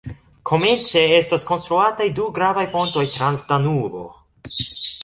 Komence estas konstruataj du gravaj pontoj trans Danubo.